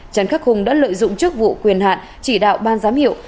trần khắc hùng đã lợi dụng chức vụ quyền hạn chỉ đạo ban giám hiệu